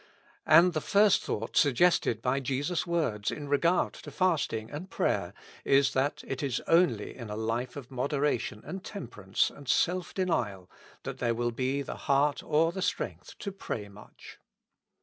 And the first thought suggested by Jesus' w^ords in regard to fasting and prayer, is, that it is only in a life of moderation and temperance and self denial that there will be the heart or the strength to pray much.